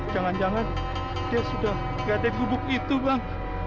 jangan jangan dia sudah gede bubuk itu bang